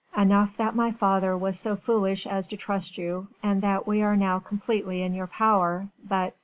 Enough that my father was so foolish as to trust you, and that we are now completely in your power, but...."